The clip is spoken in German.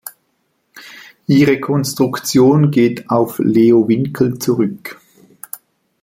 Ihre Konstruktion geht auf Leo Winkel zurück.